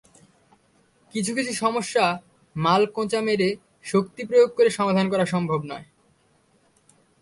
কিছু কিছু সমস্যা মালকোঁচা মেরে শক্তি প্রয়োগ করে সমাধান সম্ভব নয়।